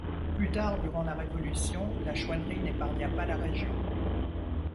Plus tard durant la Révolution, la chouannerie n’épargna pas la région.